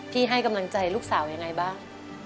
ให้กำลังใจลูกสาวยังไงบ้าง